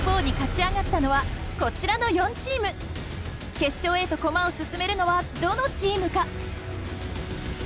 決勝へと駒を進めるのはどのチームか！